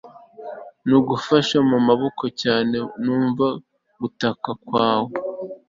nagufashe mu maboko cyane numva gutaka kwawe